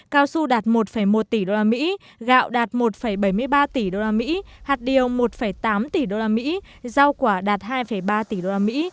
cao su đạt một một tỷ đô la mỹ gạo đạt một bảy mươi ba tỷ đô la mỹ hạt điều một tám tỷ đô la mỹ rau quả đạt hai ba tỷ đô la mỹ